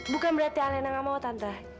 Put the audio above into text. bukan berarti alena gak mau tante